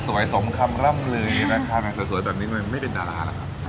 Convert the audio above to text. สวยสมคำล่ำเลยแรกค้าแรงสวยแบบนี้ไม่เป็นดาราแล้วครับ